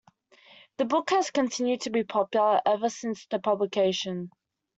The book has continued to be popular ever since its publication.